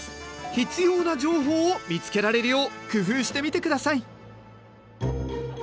必要な情報を見つけられるよう工夫してみてください。